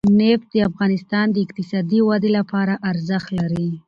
نفت د افغانستان د اقتصادي ودې لپاره ارزښت لري.